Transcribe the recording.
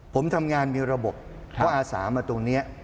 ผมทำงานมีระบบเพราะอาสามาตรงนี้